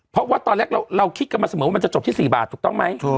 เพราะว่าตอนแรกเราคิดกันมาเสมอว่ามันจะจบที่๔บาทถูกต้องไหม